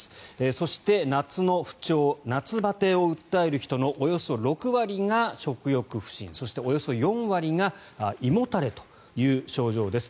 そして、夏の不調夏バテを訴える人のおよそ６割が食欲不振、そしておよそ４割が胃もたれという症状です。